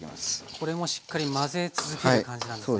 これもしっかり混ぜ続ける感じなんですね。